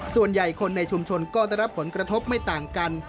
ส่วนใหญ่คนในชุมชนก็ได้รับผลกระทบไม่ต่างกัน